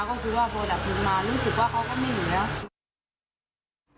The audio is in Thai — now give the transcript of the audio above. ก็คือว่าพอดับเพลิงมารู้สึกว่าเขาก็ไม่อยู่แล้ว